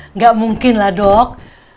enggak mungkin lah dok